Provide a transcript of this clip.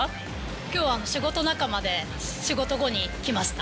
きょうは仕事仲間で、仕事後に来ました。